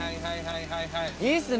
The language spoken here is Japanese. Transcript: いいっすね